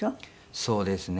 そうですね。